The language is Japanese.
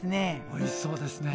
おいしそうですね。